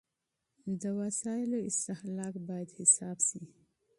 د وسايلو استهلاک بايد حساب سي.